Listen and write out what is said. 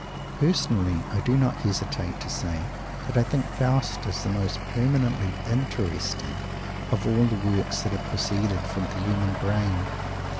Personally, I do not hesitate to say that I think Faust is the most permanently interesting of all the works that have proceeded from the human brain.